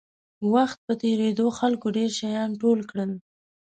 وخت په تېرېدو خلکو ډېر شیان ټول کړل.